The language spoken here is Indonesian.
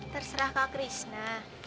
terserah kak krisna